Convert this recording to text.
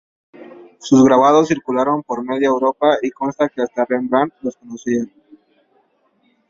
Sus grabados circularon por media Europa y consta que hasta Rembrandt los conocía.